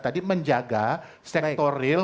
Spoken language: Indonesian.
tadi menjaga sektoril